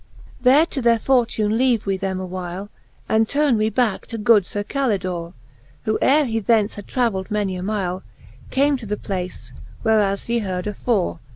XL. There to their fortune leave we them awhile, And turn we backe to good Sir Calidore'^ Who ere he thence had traveild many a mile^ Came to the place, whereas ye heard afore.